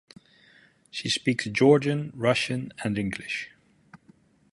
She speaks Georgian, Russian and English.